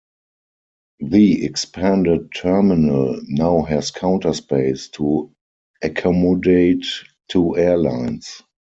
The expanded terminal now has counter space to accommodate two airlines.